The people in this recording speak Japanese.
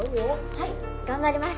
はい頑張ります！